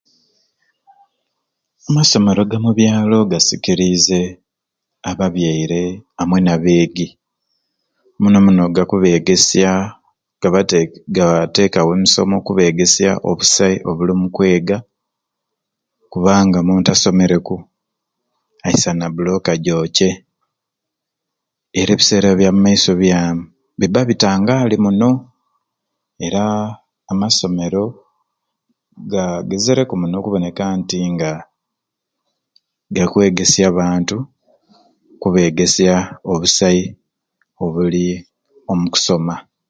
Amasomero gamubyaalo gasikiriize ababyaire amwe n'abeegi omunomuno gakubeegesya, gabate gaateekawo emisomo okubeegasya obusai obuli mu kweega kubanga omuntu asomereku aisana bulooka jookye era ebiseera bya mumaaiso byaamu biba bitangaali muno era amasomero gaagezereku muno okuboneka nga gakwegesya abantu okubeegesya obusai obuli omu kusoma